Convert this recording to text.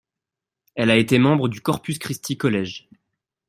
Elle a été membre du Corpus Christi College.